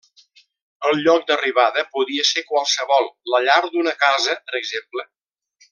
El lloc d'arribada podia ser qualsevol, la llar d'una casa, per exemple.